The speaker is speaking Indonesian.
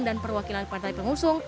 dan perwakilan pantai pengusung